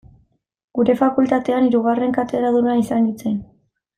Gure fakultatean, hirugarren katedraduna izan nintzen.